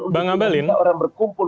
untuk orang berkumpul